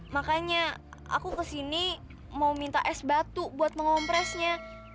makanya aku kesini mau minta es batu buat mengompresnya